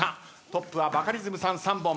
トップはバカリズムさん３本。